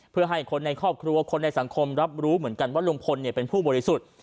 เพื่อให้คนในครอบครัวคนในสังคมรับรู้เหมือนกันว่าลุงพลเป็นผู้บริสุทธิ์